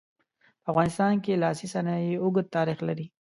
په افغانستان کې لاسي صنایع اوږد تاریخ لري.